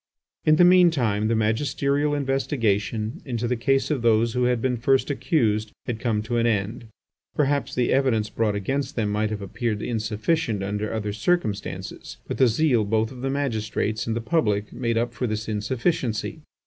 In the mean time the magisterial investigation into the case of those who had been first accused had come to an end. Perhaps the evidence brought against them might have appeared insufficient under other circumstances, but the zeal both of the magistrates and the public made up for this insufficiency.